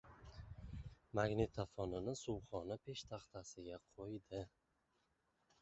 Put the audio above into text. Magnitofonini suvxona peshtaxtasiga qo‘ydi.